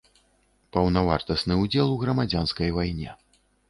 Паўнавартасны ўдзел у грамадзянскай вайне.